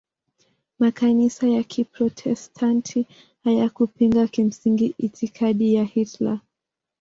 Makanisa ya Kiprotestanti hayakupinga kimsingi itikadi ya Hitler.